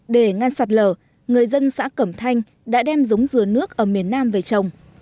để ngăn sạt lở người dân xã cẩm thanh đã đem giống dừa nước ở miền nam về trồng